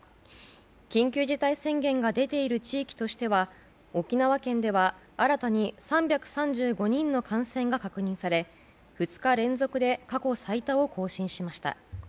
緊急事態宣言が出ている地域としては沖縄県では新たに３３５人の感染が確認され２日連続で過去最多を更新しました。